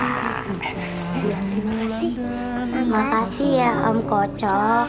terima kasih ya om kocok